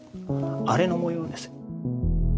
あれの模様です。